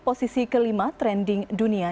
posisi kelima trending dunia